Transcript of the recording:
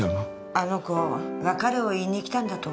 あの子別れを言いに来たんだと思う。